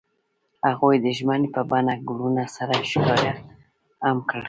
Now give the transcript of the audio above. هغوی د ژمنې په بڼه ګلونه سره ښکاره هم کړه.